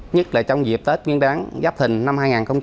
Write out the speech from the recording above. nhất là trong dịp tết nguyên đáng giáp thình năm hai nghìn hai mươi bốn